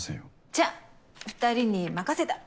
じゃあ２人に任せた。